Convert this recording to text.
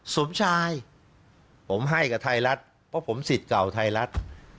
สมชายผมให้กับไทยรัฐเพราะผมสิทธิ์เก่าไทยรัฐ